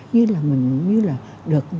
như là mình được